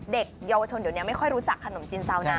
เด็กเยาวชนเดี๋ยวนี้ไม่ค่อยรู้จักขนมจีนซาวนะ